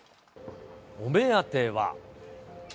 お目当ては。